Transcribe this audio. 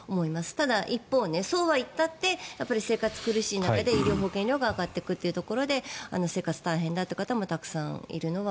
ただ、一方そうはいったって生活が苦しい中で医療保険料が上がっていく中で生活、大変だという方もたくさんいるのは」